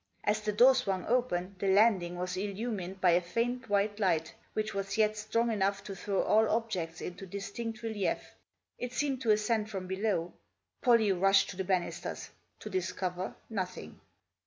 As the door swung open the landing was illumined by a faint white light, which was yet strong enough to throw all objects into distinct relief. It seemed to ascend from below. Pollie rushed to the banisters ; to discover nothing.